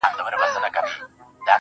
او خپل څادر يې تر خپل څنگ هوار کړ,